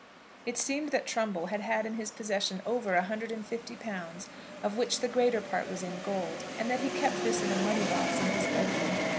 It seemed that Trumbull had had in his possession over a hundred and fifty pounds, of which the greater part was in gold, and that he kept this in a money box in his bedroom.